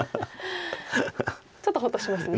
ちょっとほっとしますね。